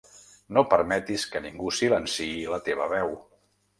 No permetis que ningú silenciï la teva veu.